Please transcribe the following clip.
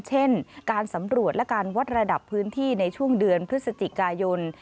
เช่นการสำรวจและการวัดระดับพื้นที่ในช่วงเดือนพฤศจิกายน